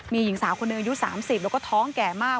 มีหญิงสาวคนหนึ่งอายุ๓๐แล้วก็ท้องแก่มาก